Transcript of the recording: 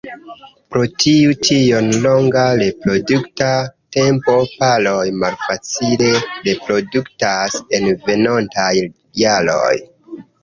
Pro tiu tiom longa reprodukta tempo, paroj malfacile reproduktas en venontaj jaroj.